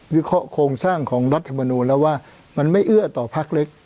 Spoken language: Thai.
วิเคราะห์โครงสร้างของรัฐมนูลแล้วว่ามันไม่เอื้อต่อพักเล็ก